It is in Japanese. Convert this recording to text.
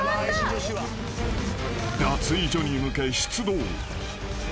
［脱衣所に向け出動］